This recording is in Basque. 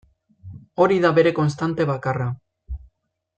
Hori da bere konstante bakarra.